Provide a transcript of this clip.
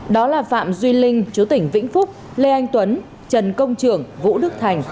đó là phạm duy linh chú tỉnh vĩnh phúc lê anh tuấn trần công trưởng vũ đức thành